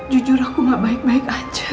jujur aku gak baik baik aja